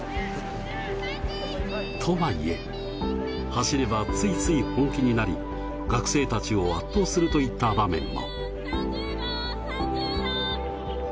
とはいえ、走ればついつい本気になり、学生たちを圧倒するといった場面も。